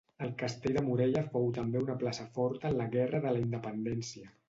El castell de Morella fou també una plaça forta en la Guerra de la Independència.